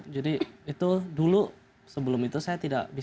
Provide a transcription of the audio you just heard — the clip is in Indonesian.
jadi itu dulu sebelum itu saya tidak bisa